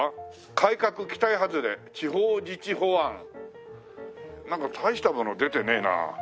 「改革期待はずれ」「地方自治法案」なんか大したもの出てねえな。